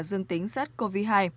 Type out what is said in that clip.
dương tính sars cov hai